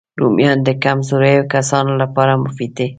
رومیان د کمزوریو کسانو لپاره مفید دي